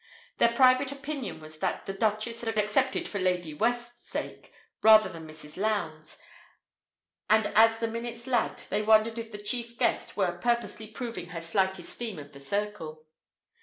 Their private opinion was that the Duchess had accepted for Lady West's sake rather than Mrs. Lowndes'; and as the minutes lagged, they wondered if the chief guest were purposely proving her slight esteem of the circle.